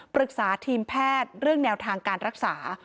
ปรึกษาทีมแพทย์เรื่องแนวทางการรักษา